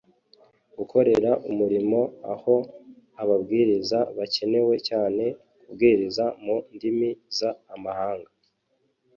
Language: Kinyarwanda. Gukorera umurimo aho ababwiriza bakenewe cyane Kubwiriza mu ndimi z amahanga